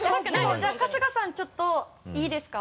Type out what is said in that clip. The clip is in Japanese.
じゃあ春日さんちょっといいですか？